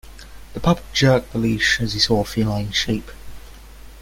The pup jerked the leash as he saw a feline shape.